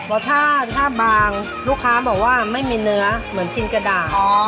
เพราะถ้าบางลูกค้าบอกว่าไม่มีเนื้อเหมือนกินกระดาษ